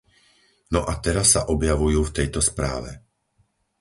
No a teraz sa objavujú v tejto správe.